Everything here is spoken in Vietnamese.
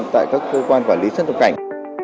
tại các cơ quan quản lý sân tộc cảnh